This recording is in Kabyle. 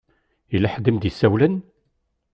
Yella ḥedd i m-d-isawlen?